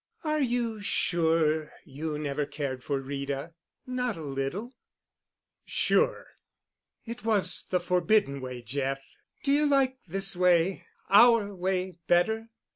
"Are you sure you never cared for Rita? Not a little?" "Sure." "It was the Forbidden Way, Jeff. Do you like this way—our way—better?"